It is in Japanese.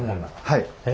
はい。